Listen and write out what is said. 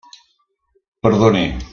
Perdoni.